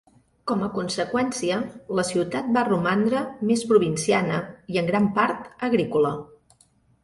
Com a conseqüència, la ciutat va romandre més provinciana, i en gran part agrícola.